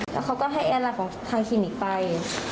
แล้วเขาก็ให้แอร์ไลน์ของทางคลินิกไป